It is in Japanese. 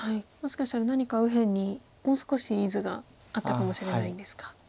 もしかしたら何か右辺にもう少しいい図があったかもしれないんですか。